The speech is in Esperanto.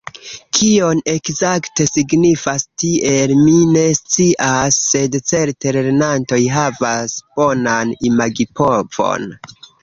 Kion ekzakte signifas 'tiel', mi ne scias, sed certe lernantoj havas bonan imagipovon.